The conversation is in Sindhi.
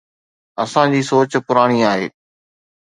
اسان جي سوچ پراڻي آهي.